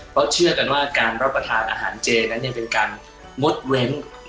เพราะเชื่อกันว่าการรับประทานอาหารเจนั้นเป็นการงดเว้น